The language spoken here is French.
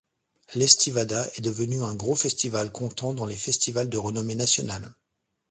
L'Estivada est devenue un gros festival comptant dans les festivals de renommée nationale.